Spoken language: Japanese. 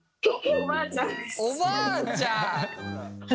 おばあちゃん！